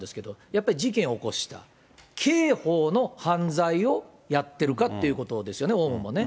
やっぱり事件を起こした、刑法の犯罪をやってるかっていうことですよね、オウムもね。